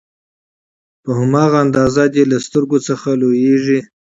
په هماغه اندازه دې له سترګو څخه لوييږي